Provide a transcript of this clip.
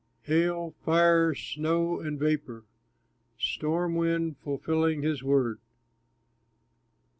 Fire, hail, snow, and vapor, Storm wind, fulfilling his word!